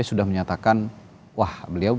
sudah menyatakan wah beliau